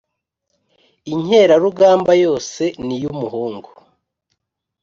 Inkerarugamba yose ni y' umuhungu